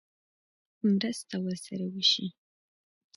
مرسته ورسره وشي.